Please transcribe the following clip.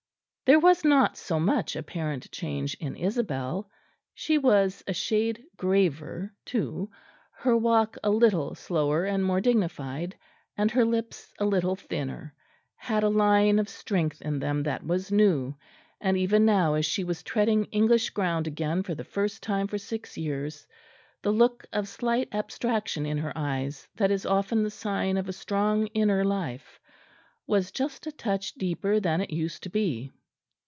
There was not so much apparent change in Isabel; she was a shade graver too, her walk a little slower and more dignified, and her lips, a little thinner, had a line of strength in them that was new; and even now as she was treading English ground again for the first time for six years, the look of slight abstraction in her eyes that is often the sign of a strong inner life, was just a touch deeper than it used to be.